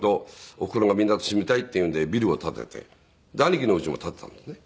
おふくろがみんなと住みたいって言うんでビルを建ててで兄貴の家も建てたんですね。